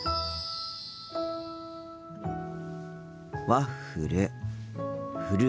ワッフル。